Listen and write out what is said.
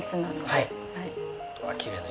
はい。